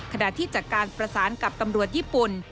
ขณะที่จากการประสานกับตำรวจญี่ปุ่น